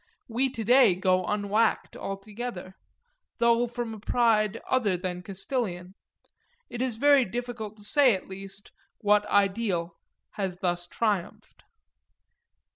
We to day go unwhacked altogether though from a pride other than Castilian: it is difficult to say at least what ideal has thus triumphed.